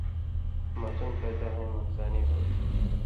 ماسُم پیدا ہویں مہ ہسانی ہوتھی۔